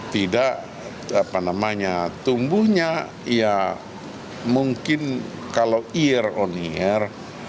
tidak apa namanya tumbuhnya ya mungkin kalau year on year